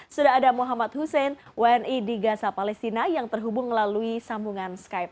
sudah ada muhammad hussein wni di gaza palestina yang terhubung melalui sambungan skype